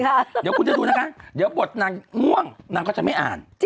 เดี๋ยวคุณจะดูนะคะเดี๋ยวบทนางง่วงนางก็จะไม่อ่าน